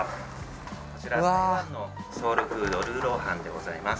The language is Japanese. こちら台湾のソウルフードルーローハンでございます。